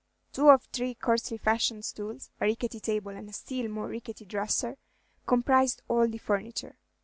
Two or three coarsely fashioned stools, a rickety table, and a still more rickety dresser comprised all the furniture.